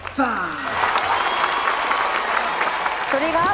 สวัสดีครับ